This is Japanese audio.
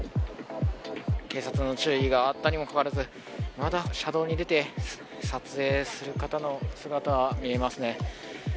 警察の注意があったにもかかわらずまた車道に出て撮影する方の姿、見えますね。